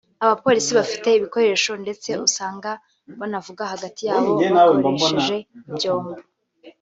abapolisi bafite ibikoresho ndetse usanga banavugana hagati yabo bakoresheje ibyombo